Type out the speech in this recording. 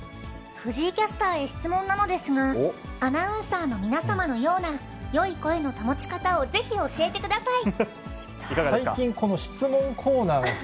藤井キャスターへ質問なのですが、アナウンサーの皆様のような、よい声の保ち方を、ぜひ教えてください。